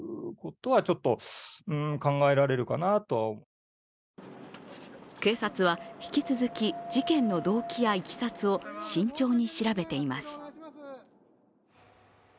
犯罪心理学の専門家は警察は引き続き、事件の動機やいきさつを慎重に調べています。